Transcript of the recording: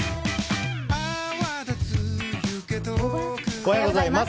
おはようございます。